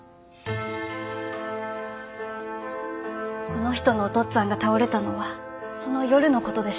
この人のお父っつぁんが倒れたのはその夜の事でした。